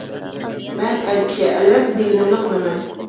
مەن ئەر كىشى ئەلۋەتتە دېگىنىمنى قىلىمەن.